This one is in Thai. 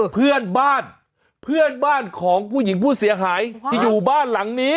เพื่อนบ้านเพื่อนบ้านของผู้หญิงผู้เสียหายที่อยู่บ้านหลังนี้